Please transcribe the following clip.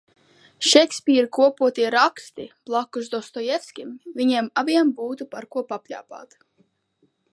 Šekspīra kopotie raksti blakus Dostojevskim, viņiem abiem būtu par ko papļāpāt.